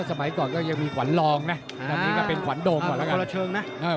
สมัยก่อนก็ยังมีขวัญรองนะตอนนี้ก็เป็นขวัญโดมก่อนแล้วก็ละเชิงนะ